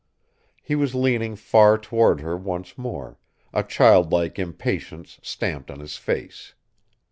He was leaning far toward her once more, a child like impatience stamped on his face.